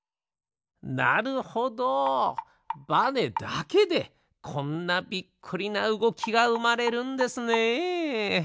なるほどバネだけでこんなびっくりなうごきがうまれるんですね。